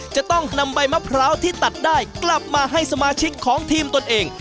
จะต้องนำใบมะพร้าวที่ตัดได้กลับมาให้สมาชิกของทีมตนเอง